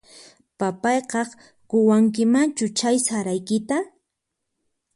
Papayqaq quwankimanchu chay saraykita?